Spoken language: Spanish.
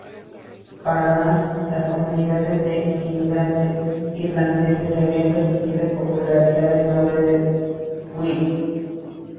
Para Nast, las comunidades de inmigrantes irlandeses habían permitido popularizar el nombre de Tweed.